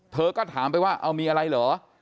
เธอก็ถามไปว่าเอามีอะไรเหรอ